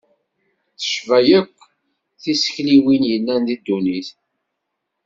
Tecba akk tisekliwin yellan deg ddunit.